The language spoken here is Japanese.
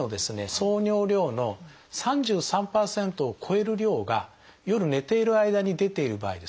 総尿量の３３％を超える量が夜寝ている間に出ている場合ですね